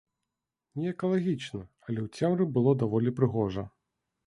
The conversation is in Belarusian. Неэкалагічна, але ў цемры было даволі прыгожа.